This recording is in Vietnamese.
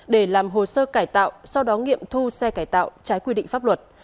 để làm hồ sơ cải tạo sau đó nghiệm thu xe cải tạo trái quy định pháp luật